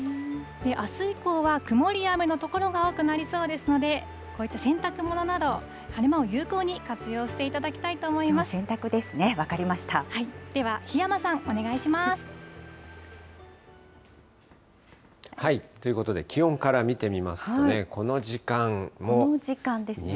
あす以降は曇りや雨の所が多くなりそうですので、こういった洗濯物など、晴れ間を有効に活用してきょう、洗濯ですね、分かりでは、檜山さん、お願いしまということで、気温から見てこの時間ですね。